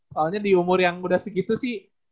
soalnya di umur yang udah segitu sih